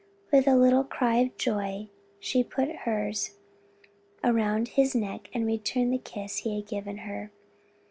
With a little cry of joy she put hers around his neck and returned the kiss he had just given her.